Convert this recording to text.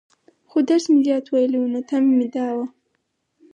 خو درس مې زيات وويلى وو، نو تمه مې دا وه.